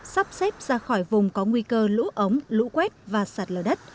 sắp xếp ra khỏi vùng có nguy cơ lũ ống lũ quét và sạt lở đất